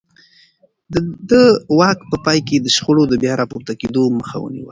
ده د واک په پای کې د شخړو د بيا راپورته کېدو مخه ونيوه.